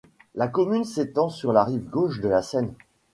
La commune s'étend sur la rive gauche de la Seine.